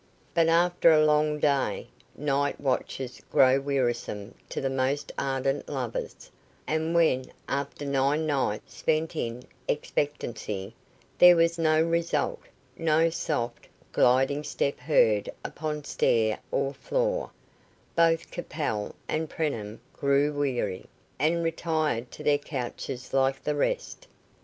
But after a long day, night watches grow wearisome to the most ardent lovers, and when, after nine nights spent in expectancy, there was no result no soft, gliding step heard upon stair or floor, both Capel and Preenham grew weary, and retired to their couches like the rest.